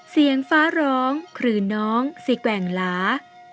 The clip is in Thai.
เสียงฟ้าร้องคือน้องสิแกว่งหลา